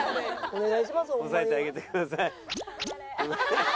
押さえてあげてください。